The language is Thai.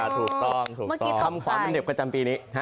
ถูกต้องคำขอร์มว่าเขาเอาออกไปกระจำปีนี้